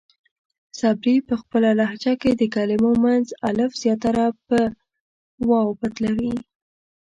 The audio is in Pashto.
صبري پۀ خپله لهجه کې د کلمو منځ الف زياتره پۀ واو بدلوي.